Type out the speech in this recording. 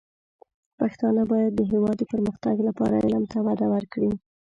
پښتانه بايد د هېواد د پرمختګ لپاره علم ته وده ورکړي.